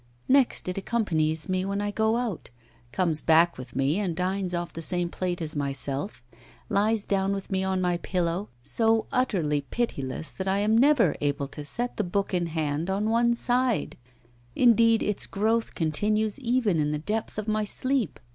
Next it accompanies me when I go out, comes back with me and dines off the same plate as myself; lies down with me on my pillow, so utterly pitiless that I am never able to set the book in hand on one side; indeed, its growth continues even in the depth of my sleep.